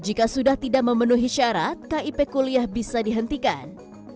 jika sudah tidak memenuhi syarat kip kuliah bisa dihentikan